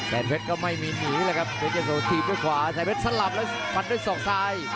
เพชรก็ไม่มีหนีแล้วครับเพชรยะโสถีบด้วยขวาแสนเพชรสลับแล้วฟันด้วยศอกซ้าย